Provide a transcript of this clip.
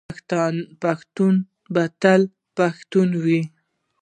پښتون به تل پښتون وي.